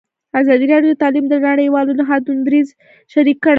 ازادي راډیو د تعلیم د نړیوالو نهادونو دریځ شریک کړی.